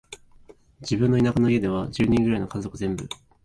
自分の田舎の家では、十人くらいの家族全部、